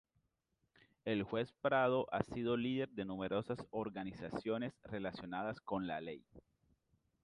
El juez Prado ha sido líder de numerosas organizaciones relacionadas con la ley.